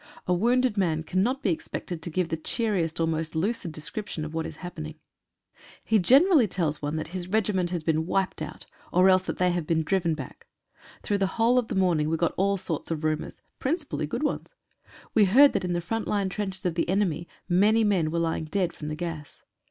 A wounded man cannot be ex pected to give the cheeriest, or most lucid description of what is happening. He generally tells one that his 123 PRISONERS OF WAR. regiment has been wiped out, or else that they have been driven back. Through the whole of the morning we got all sorts of rumours, principally good ones. We heard that in the front line trenches of the enemy, many men were lying dead from the gas.